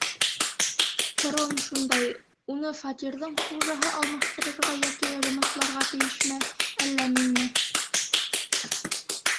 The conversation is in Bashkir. Һорауым шундай: уны фатирҙың хужаһы алмаштырырға йәки ремонтларға тейешме, әллә минме?